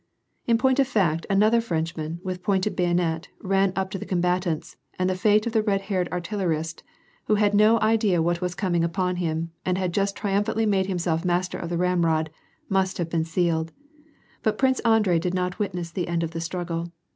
In point of fact, another Frenchman, with pointed bayonet, ran up to the combatants, and the fate of the red headed artil lerist, who had no idea of what was coming upon him, and had i'ust triumphantly made himself master of the ramrod, must tave been sealed. But Prince Andrei did not witness the end of the struggle.